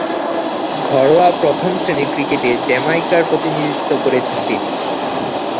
ঘরোয়া প্রথম-শ্রেণীর ক্রিকেটে জ্যামাইকার প্রতিনিধিত্ব করেছেন তিনি।